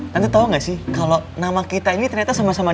tante tau gak sih kalo nama kita ini bisa jadi keluarga nih di masa depan